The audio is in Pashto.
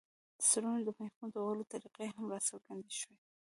د سرونو د مېخونو د وهلو طریقې هم راڅرګندې شوې.